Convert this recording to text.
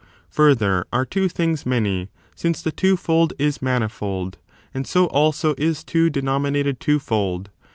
Further, are two things many, since the twofold is manifold; and so also is two denominated twofold.